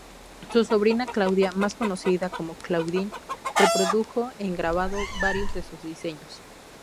Su sobrina Claudia, más conocida como "Claudine", reprodujo en grabado varios de sus diseños.